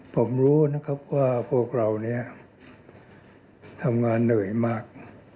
ผมรู้นะครับว่าพวกเราเนี่ยทำงานเหนื่อยมาก